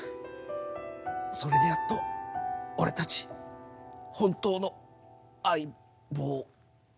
それでやっと俺たち本当の相棒。